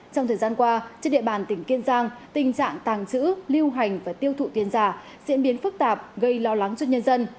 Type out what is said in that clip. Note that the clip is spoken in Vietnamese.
trong thời gian qua trên địa bàn tỉnh kiên giang tình trạng tàng trữ lưu hành và tiêu thụ tiền giả diễn biến phức tạp gây lo lắng cho nhân dân